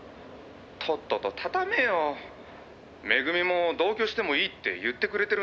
とっととたためよ」「恵も同居してもいいって言ってくれてるんだから」